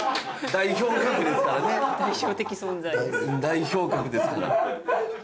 代表格ですから。